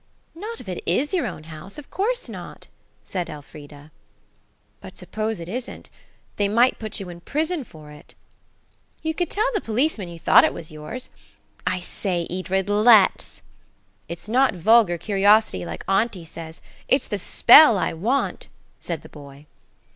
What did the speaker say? "Not if it is your own house. Of course not," said Elfrida. "But suppose it isn't? They might put you in prison for it." "You could tell the policeman you thought it was yours. I say, Edred, let's!" "It's not vulgar curiosity, like auntie says; it's the spell I want," said the boy.